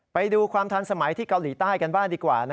ไปดูความทันสมัยที่เกาหลีใต้กันบ้างดีกว่า